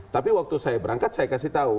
tapi waktu saya berangkat saya kasih tahu